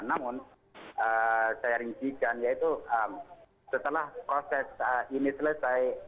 namun saya rincikan yaitu setelah proses ini selesai